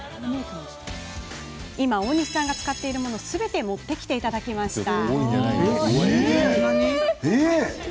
今、大西さんが使っているものをすべて持ってきてもらいました。